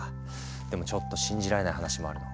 でもちょっと信じられない話もあるの。